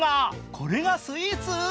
これがスイーツ？